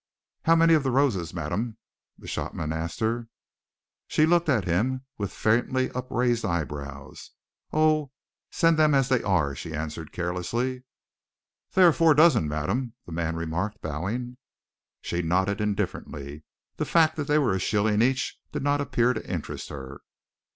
"How many of the roses, madam?" the shopman asked her. She looked at him with faintly upraised eyebrows. "Oh! send them as they are," she answered carelessly. "There are four dozen, madam," the man remarked, bowing. She nodded indifferently. The fact that they were a shilling each did not appear to interest her.